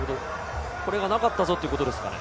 これがなかったぞっていうことですかね。